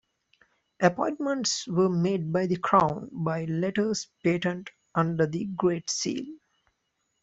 Appointments were made by the Crown by letters patent under the Great Seal.